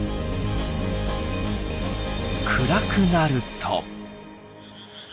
暗くなると。